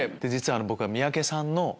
実は僕三宅さんの。